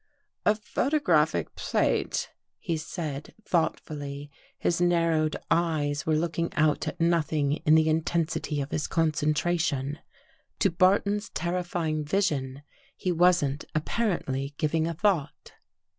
" A photographic plate," he said thoughtfully. His narrowed eyes were looking out at nothing in the intensity of his concentration. To Barton's terrifying vision, he wasn't apparently giving a thought.